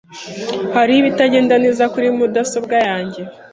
Hariho ibitagenda neza kuri mudasobwa yanjye.